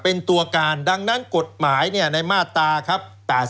เป็นตัวการดังนั้นกฎหมายในมาตราครับ